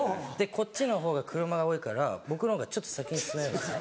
こっちのほうが車が多いから僕のほうがちょっと先に進めるんですね。